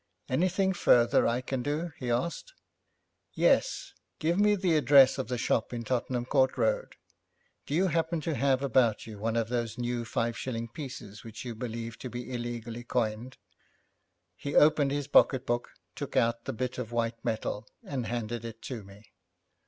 'Anything further I can do?' he asked. 'Yes; give me the address of the shop in Tottenham Court Road. Do you happen to have about you one of those new five shilling pieces which you believe to be illegally coined?' He opened his pocket book, took out the bit of white metal, and handed it to me.